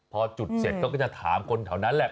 พอจุดเสร็จเขาก็จะถามคนแถวนั้นแหละ